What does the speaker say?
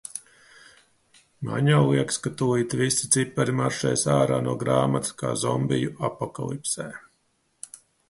Man jau liekas, ka tūlīt visi cipari maršēs ārā no grāmatas kā zombiju apokalipsē.